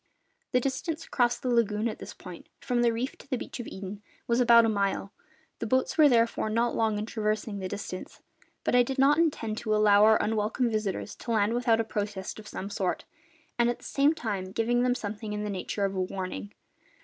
The distance across the lagoon at this point, from the reef to the beach of Eden, was about a mile; the boats were therefore not long in traversing the distance. But I did not intend to allow our unwelcome visitors to land without a protest of some sort, and at the same time giving them something in the nature of a warning.